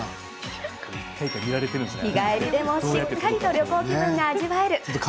日帰りでも、しっかりと旅行気分が味わえる。